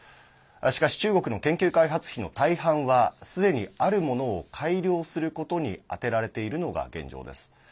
しかし中国の研究開発費の大半はすでにあるものを改良することに充てられているのが現状です。